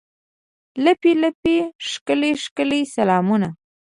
لپې، لپې ښکلي، ښکلي سلامونه